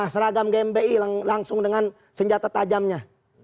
seragam gmbi langsung dengan senjata tajamnya